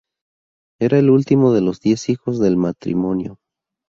Era el último de los diez hijos del matrimonio.